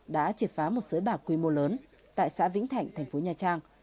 đã triệt phá một sới bạc quy mô lớn tại xã vĩnh thạnh thành phố nha trang